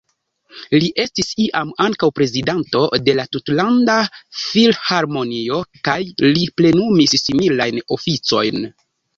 Li estis iam ankaŭ prezidanto de la Tutlanda Filharmonio kaj li plenumis similajn oficojn.